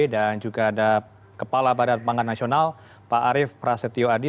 dan juga ada kepala badan pangan nasional pak arief prasetyo adi